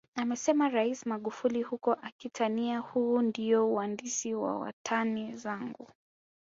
Amesema Rais Magufuli huku akitania huu ndiyo uhandisi wa watani zangu